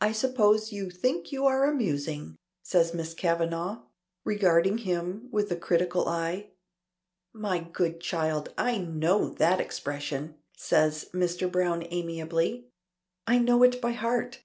"I suppose you think you are amusing," says Miss Kavanagh, regarding him with a critical eye. "My good child, I know that expression," says Mr. Browne, amiably. "I know it by heart.